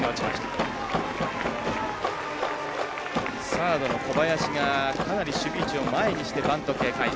サードの小林がかなり守備位置を前にしてバント警戒。